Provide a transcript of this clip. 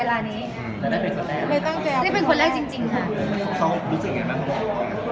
อาทรงเขารู้สึกอย่างไงบ้าง